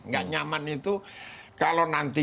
gak nyaman itu kalau nanti